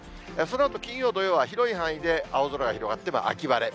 そのあと、金曜、土曜は広い範囲で青空広がって、秋晴れ。